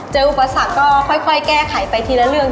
อุปสรรคก็ค่อยแก้ไขไปทีละเรื่อง